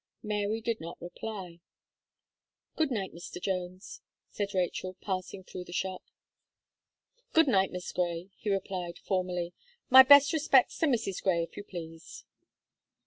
Mary did not reply. "Good night, Mr. Jones," said Rachel, passing through the shop. "Good night, Miss Gray," he replied, formally. "My best respects to Mrs. Gray, if you please."